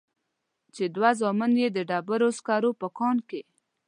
چې دوه زامن يې د ډبرو سکرو په کان کې.